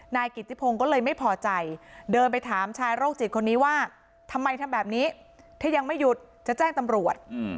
นายกิติพงศ์ก็เลยไม่พอใจเดินไปถามชายโรคจิตคนนี้ว่าทำไมทำแบบนี้ถ้ายังไม่หยุดจะแจ้งตำรวจ